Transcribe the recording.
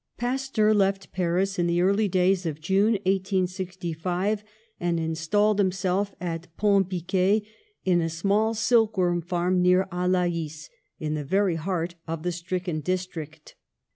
Pasteur left Paris in the early days of June, 1865, and installed himself at Pont Biquet, in a small silk worm farm near Alais, in the very heart of the stricken district.